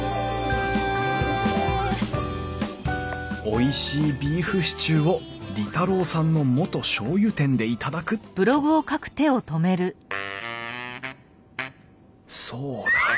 「おいしいビーフシチューを利太郎さんの元しょうゆ店で頂く」とそうだ。